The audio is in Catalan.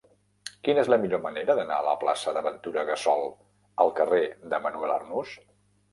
Quina és la millor manera d'anar de la plaça de Ventura Gassol al carrer de Manuel Arnús?